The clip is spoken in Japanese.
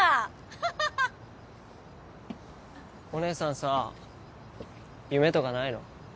ハハハお姉さんさ夢とかないの？